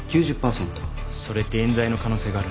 それって冤罪の可能性があるんじゃ。